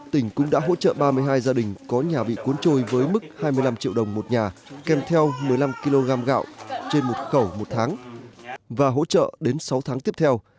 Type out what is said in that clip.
tỉnh cũng đã hỗ trợ ba mươi hai gia đình có nhà bị cuốn trôi với mức hai mươi năm triệu đồng một nhà kèm theo một mươi năm kg gạo trên một khẩu một tháng và hỗ trợ đến sáu tháng tiếp theo